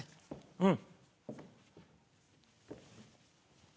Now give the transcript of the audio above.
うん。